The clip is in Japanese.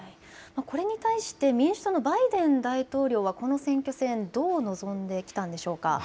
これに対して民主党のバイデン大統領はこの選挙戦、どう臨んできたんでしょうか。